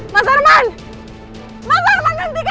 mas herman mas herman nanti ke mobilnya